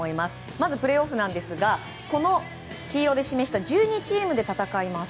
まずプレーオフなんですが黄色で示した１２チームで戦います。